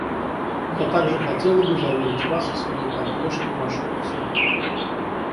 Я также хотела бы заверить Вас в своей поддержке Ваших усилий.